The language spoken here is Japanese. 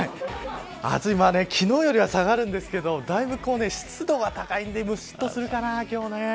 昨日よりは下がるんですけどだいぶ湿度が高いんでむしっとするかな、今日ね。